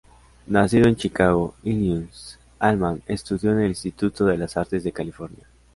Nacido en Chicago, Illinois, Allman estudió en el Instituto de las Artes de California.